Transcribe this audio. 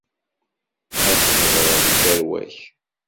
Ad tḥedreḍ i tarwa-k.